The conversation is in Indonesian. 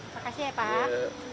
makasih ya pak